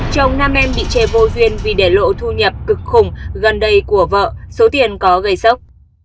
chồng nam em bị che vô duyên vì để lộ thu nhập cực khủng gần đây của vợ số tiền có gây sốc